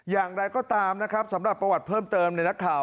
อย่างไรก็ตามนะครับสำหรับประวัติเพิ่มเติมในนักข่าว